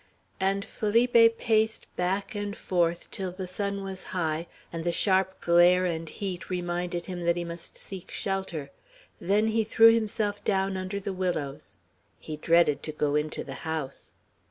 And Felipe paced back and forth till the sun was high, and the sharp glare and heat reminded him that he must seek shelter; then he threw himself down under the willows. He dreaded to go into the house.